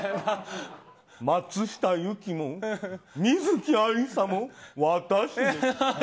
松下由樹も観月ありさも、私に。